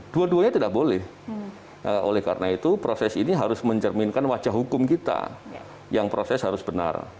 dua duanya tidak boleh oleh karena itu proses ini harus mencerminkan wajah hukum kita yang proses harus benar